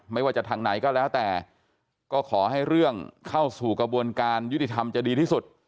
ไม่ว่าจะทางไหนก็แล้วแต่ก็ขอให้เรื่องเข้าสู่กระบวนการยุติธรรมจะดีที่สุด